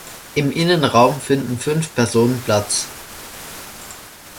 Im Innenraum finden fünf Personen Platz.